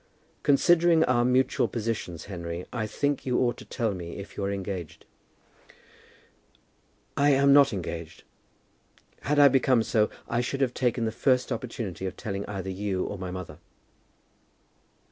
"Considering our mutual positions, Henry, I think you ought to tell me if you are engaged." "I am not engaged. Had I become so, I should have taken the first opportunity of telling either you or my mother."